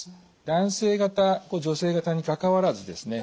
男性型女性型にかかわらずですね